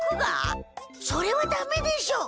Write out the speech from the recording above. それはダメでしょ。